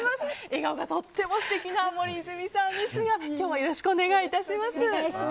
笑顔がとっても素敵な森泉さんですが今日はよろしくお願い致します。